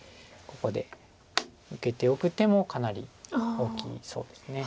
ここで受けておく手もかなり大きそうです。